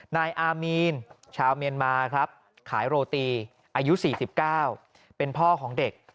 นายอามีนชาวเมียนมาครับขายโรตีอายุ๔๙เป็นพ่อของเด็ก